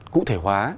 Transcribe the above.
cụ thể hóa